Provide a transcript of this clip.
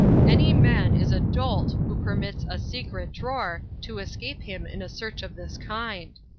Any man is a dolt who permits a 'secret' drawer to escape him in a search of this kind.